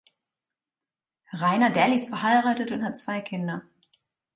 Rainer Dally ist verheiratet und hat zwei Kinder.